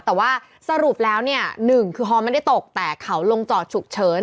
แต่ว่าสรุปแล้วเนี่ยหนึ่งคือฮอลไม่ได้ตกแต่เขาลงจอดฉุกเฉิน